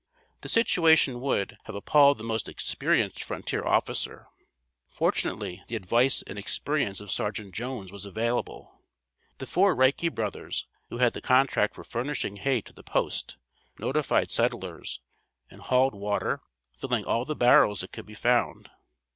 The situation would, have appalled the most experienced frontier officer. Fortunately the advice and experience of Sergeant Jones was available. The four Reike brothers, who had the contract for furnishing hay to the post, notified settlers, and hauled water, filling all the barrels that could be found.